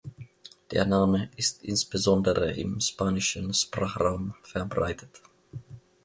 Der Name ist insbesondere im spanischen Sprachraum verbreitet.